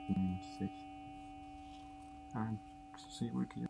Publicó una extensa obra sobre asuntos navales, de defensa y de administración colonial.